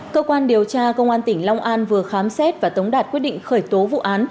cơ quan điều tra công an tỉnh long an vừa khám xét và tống đạt quyết định khởi tố vụ án